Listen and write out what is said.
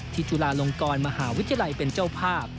จุฬาลงกรมหาวิทยาลัยเป็นเจ้าภาพ